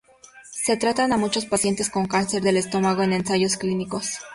Se tratan a muchos pacientes con cáncer del estómago en ensayos clínicos.